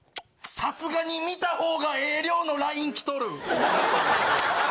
さすがに見たほうがええ量のＬＩＮＥ来とる。